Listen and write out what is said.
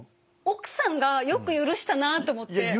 奥さんがよく許したなと思って。